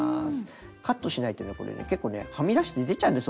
カットしないとね結構ねはみ出して出ちゃうんです